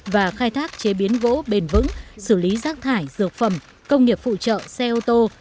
và khai thác chế biến gỗ bền vững xử lý rác thải dược phẩm công nghiệp phụ trợ xe ô tô